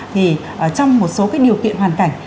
thì trong một số điều kiện hoàn cảnh